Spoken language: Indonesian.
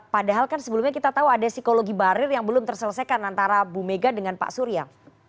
padahal kan sebelumnya kita tahu ada psikologi barir yang belum terselesaikan antara bu mega dengan pak surya